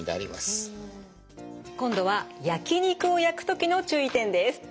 今度は焼き肉を焼く時の注意点です。